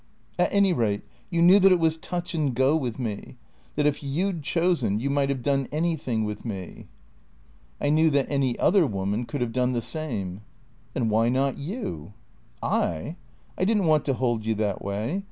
" At any rate you knew that it was touch and go with me ? That if you 'd chosen you might have done anything with me ?"" I knew that any other woman could have done the same." " Then why not you ?"" I ? I did n't want to hold you that way.